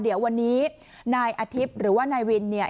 เดี๋ยววันนี้นายอาทิตย์หรือว่านายวินเนี่ย